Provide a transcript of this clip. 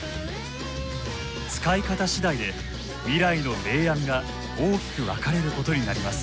使い方次第で未来の明暗が大きく分かれることになります。